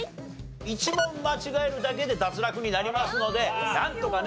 １問間違えるだけで脱落になりますのでなんとかね